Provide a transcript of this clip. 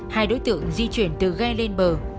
hai đối tượng di chuyển từ ghe lên bờ